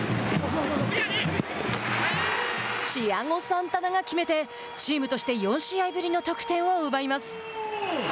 チアゴ・サンタナが決めてチームとして４試合ぶりの得点を奪います。